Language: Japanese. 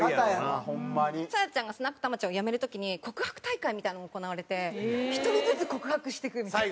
さやちゃんがスナック玉ちゃんを辞める時に告白大会みたいなのが行われて１人ずつ告白していくみたいな。